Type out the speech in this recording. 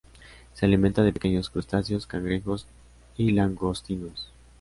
Se alimenta de pequeños crustáceos, cangrejos y langostinos.